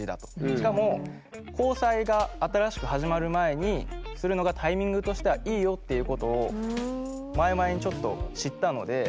しかも交際が新しく始まる前にするのがタイミングとしてはいいよっていうことを前々にちょっと知ったので。